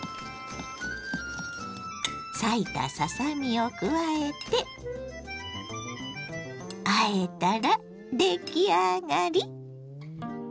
裂いたささ身を加えてあえたら出来上がり！